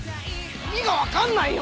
意味がわかんないよ。